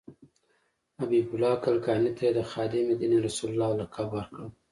حبیب الله کلکاني ته یې د خادم دین رسول الله لقب ورکړ.